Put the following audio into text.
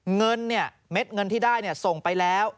เงินเนี่ยเม็ดเงินที่ได้ส่งไปแล้ว